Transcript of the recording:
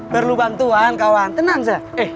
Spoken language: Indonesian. perlu bantuan kawan tenang saya